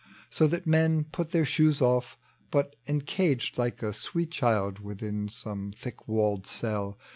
So that men put their shoes off ; but incaged Like a sweet child within some thiek walled cell.